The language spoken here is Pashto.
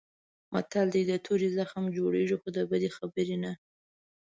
متل دی: د تورې زخم جوړېږي خو د بدې خبرې نه.